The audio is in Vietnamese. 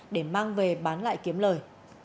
để mang về bán lại kiếm lời